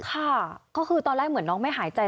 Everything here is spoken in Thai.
ค่ะก็คือตอนแรกเหมือนน้องไม่หายใจ